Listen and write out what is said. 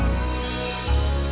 yang begini cinta dengan suatu keeper